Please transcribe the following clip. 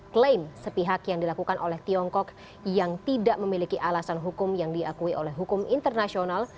klaim sepihak yang dilakukan oleh tiongkok yang tidak memiliki alasan hukum yang diakui oleh hukum internasional